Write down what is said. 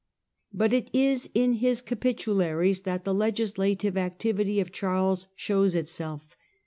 But it is in his Capitularies that the legislative activity of Charles shows itself.